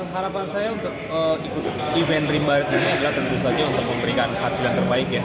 harapan saya untuk ikut event rimba ini adalah tentu saja untuk memberikan hasil yang terbaik ya